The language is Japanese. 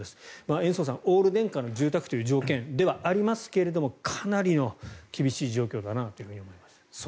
延増さん、オール電化の住宅という条件ではありますがかなりの厳しい状況だなと思います。